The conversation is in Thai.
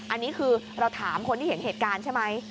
อันนี้คือเราถามคนที่เห็นเหตุการณ์ใช่ไหม